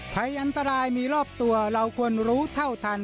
ภัยอันตรายมีรอบตัวเราควรรู้เท่าทัน